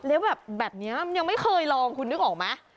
แล้วแบบแบบนี้มันยังไม่เคยลองคุณนึกออกไหม